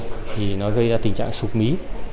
thì nó gây ra tình trạng sụp mí